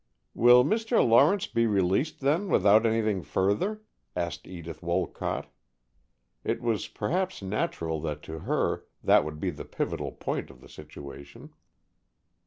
"Will Mr. Lawrence be released, then, without anything further?" asked Edith Wolcott. It was perhaps natural that to her that would be the pivotal point of the situation.